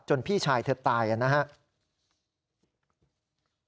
พี่ชายเธอตายนะครับ